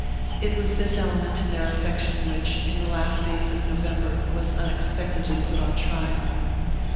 It was this element in their affection which, in the last days of November, was unexpectedly put on trial.